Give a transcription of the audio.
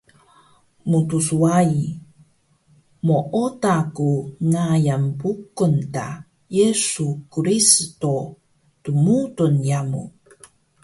Mtswai, mooda ku ngayan Bukung ta Yesu Kiristo dmudul yamu